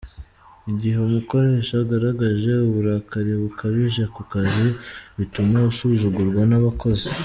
Igihe umukoresha agaragaje uburakari bukabije ku kazi bituma asuzugurwa n’abakozi.